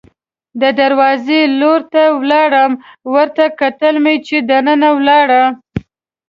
د دروازې لور ته ولاړو، ورته کتل مې چې دننه ولاړه.